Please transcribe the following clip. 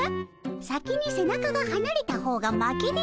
先に背中がはなれた方が負けでおじゃる。